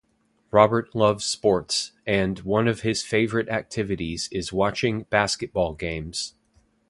Robert loves sports, and one of his favorite activities is watching basketball games.